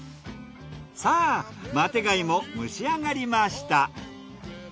さぁマテガイも蒸し上がりました。